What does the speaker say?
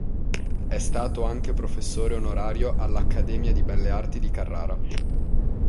È stato anche professore onorario all"'Accademia di Belle Arti di Carrara".